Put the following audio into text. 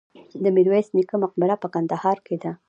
د میرویس نیکه مقبره په کندهار کې ده